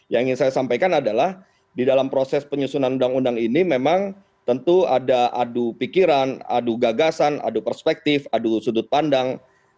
yang ingin saya sampaikan adalah di dalam proses penyusunan undang undang ini memang tentu ada adu pikiran adu gagasan adu perspektif adu sudut pandang